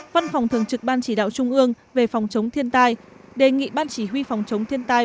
văn phòng thường trực ban chỉ đạo trung ương về phòng chống thiên tai đề nghị ban chỉ huy phòng chống thiên tai